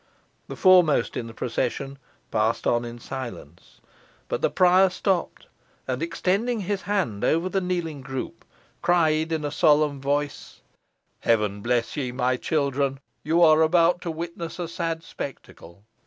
The foremost in the procession passed on in silence, but the prior stopped, and extending his hands over the kneeling group, cried in a solemn voice, "Heaven bless ye, my children! Ye are about to witness a sad spectacle.